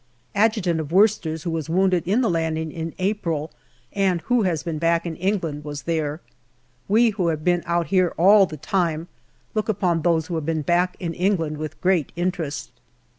Adjutant of Worcesters, who was wounded in the landing in April, and who has been back in England, was there. We who have been out here all the time look upon those who have been back in England with great interest.